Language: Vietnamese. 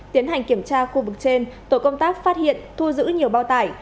tiến hành kiểm tra khu vực trên tổ công tác phát hiện thu giữ nhiều bao tải